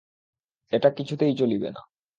এটা কিছুতেই চলিবে না।